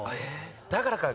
だからか。